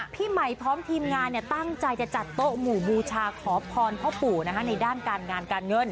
พี่ใหม่พร้อมทีมงานตั้งใจจะจัดโต๊ะหมู่บูชาขอพรพ่อปู่ในด้านการงานการเงิน